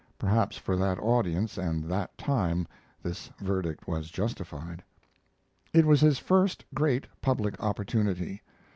Perhaps for that audience and that time this verdict was justified. It was his first great public opportunity.